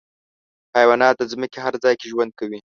حیوانات د ځمکې هر ځای کې ژوند کوي.